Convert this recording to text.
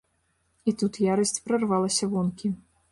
І тут ярасць прарвалася вонкі.